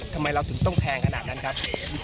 ทำไมเราถึงต้องแพงขนาดนั้นครับ